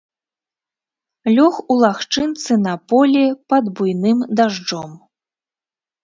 Лёг у лагчынцы на полі, пад буйным дажджом.